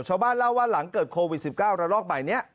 ชาวบ้านเล่าว่าหลังเกิดโควิด๑๙ระลอกใหม่นี้